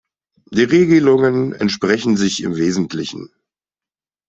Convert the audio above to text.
Die Regelungen entsprechen sich im Wesentlichen.